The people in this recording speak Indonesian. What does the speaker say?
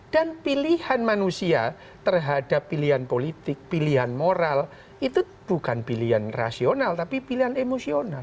dan pilihan manusia terhadap pilihan politik pilihan moral itu bukan pilihan rasional tapi pilihan emosional